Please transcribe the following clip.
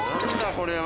これは。